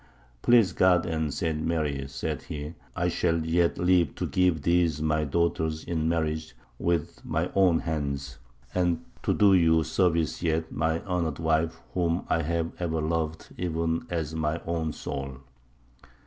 Please God and St. Mary, said he, I shall yet live to give these my daughters in marriage with my own hands, and to do you service yet, my honoured wife, whom I have ever loved even as my own soul.